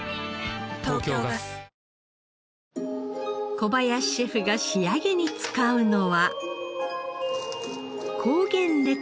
小林シェフが仕上げに使うのは。